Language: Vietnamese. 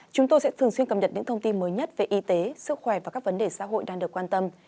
chúng tôi sẽ thường xuyên cập nhật những thông tin mới nhất về y tế sức khỏe và các vấn đề xã hội đang được quan tâm